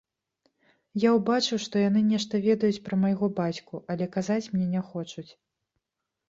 Я ўбачыў, што яны нешта ведаюць пра майго бацьку, але казаць мне не хочуць.